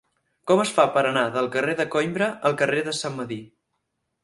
Com es fa per anar del carrer de Coïmbra al carrer de Sant Medir?